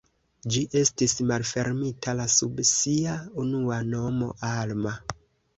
Ĝi estis malfermita la sub sia unua nomo Alma.